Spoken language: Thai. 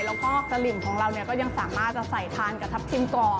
แล้วก็สลิมของเราเนี่ยก็ยังสามารถจะใส่ทานกับทับทิมก่อน